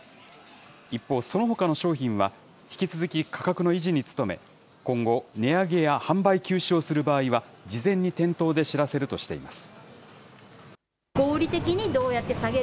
一方、そのほかの商品は、引き続き価格の維持に努め、今後、値上げや販売休止をする場合は、事前に店頭で知らせるとしています。